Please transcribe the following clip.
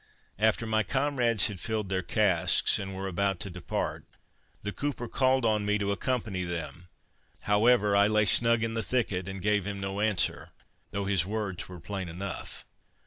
After my comrades had filled their casks, and were about to depart, the cooper called on me to accompany them; however, I lay snug in the thicket, and gave him no answer, though his words were plain enough.